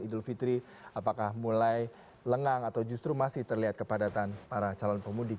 idul fitri apakah mulai lengang atau justru masih terlihat kepadatan para calon pemudik